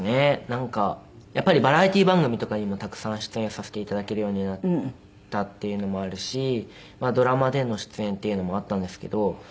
なんかやっぱりバラエティー番組とかにもたくさん出演させて頂けるようになったっていうのもあるしドラマでの出演っていうのもあったんですけど。